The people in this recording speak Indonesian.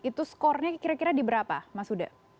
itu skornya kira kira di berapa mas huda